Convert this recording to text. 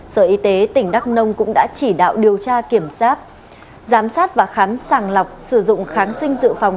sở y tế tỉnh đắk nông cũng đã chỉ đạo điều tra kiểm soát giám sát và khám sàng lọc sử dụng kháng sinh dự phòng